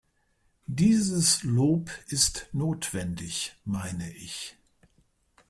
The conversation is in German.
Dieses Lob ist notwendig, meine ich.